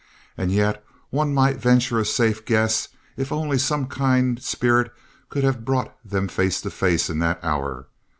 And yet one might venture a safe guess if only some kind spirit could have brought them face to face in that hour.